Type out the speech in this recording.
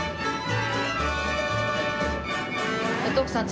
徳さん